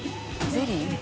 ゼリー？